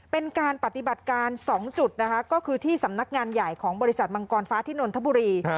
เป็นการปฏิบัติการ๒จุดนะคะก็คือที่สำนักงานใหญ่ของบริษัทมังกรฟ้าที่นนทบุรี